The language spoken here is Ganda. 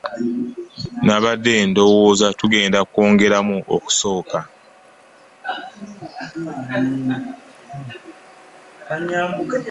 Nabadde ndowooza tugenda kwogeramu okusooka.